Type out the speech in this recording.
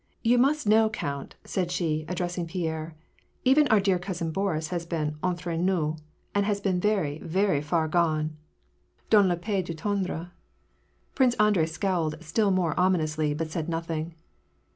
You must know, count," said she, siddressing Pierre, " even our dear cousin Boris has been, entre nous, has been very, very far gone dans le pays du tendre,^' Prince Andrei scowled still more ominously, but said nothing.